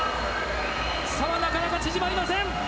差はなかなか縮まりません。